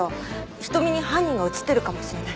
瞳に犯人が映っているかもしれない。